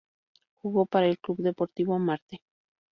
Jugó para el Club Deportivo Marte.